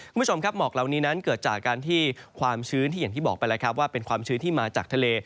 คุณผู้ชมครับหมอกเหล่านี้นั้นเกิดจากการที่ความชื้นที่อย่างที่บอกไปแล้วครับว่าเป็นความชื้นที่มาจากทะเล